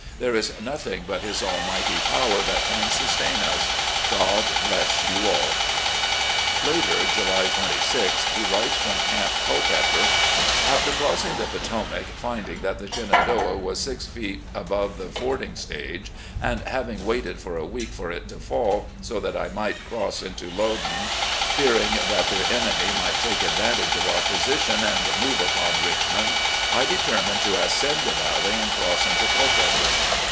There is nothing but His almighty power that can sustain us. God bless you all. ..." Later, July 26th, he writes from Camp Culpeper: "... After crossing the Potomac, finding that the Shenandoah was six feet above the fording stage, and, having waited for a week for it to fall, so that I might cross into Loudoun, fearing that the enemy might take advantage of our position and move upon Richmond, I determined to ascend the Valley and cross into Culpeper.